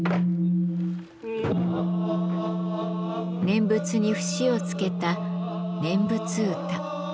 念仏に節をつけた念仏歌。